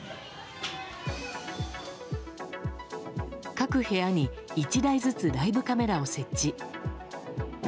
各部屋に１台ずつライブカメラを設置。